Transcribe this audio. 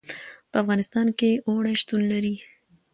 په افغانستان کې اوړي شتون لري.